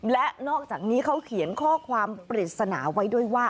และนอกจากนี้เขาเขียนข้อความปริศนาไว้ด้วยว่า